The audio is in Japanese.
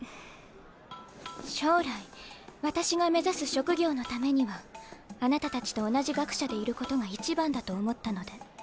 将来私が目指す職業のためにはあなたたちと同じ学舎でいることが一番だと思ったので。